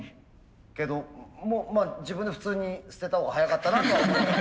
けど自分で普通に捨てたほうが早かったなとは。